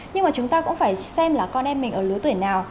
nhưng mà chúng ta cũng phải xem là con em mình ở lứa tuổi nào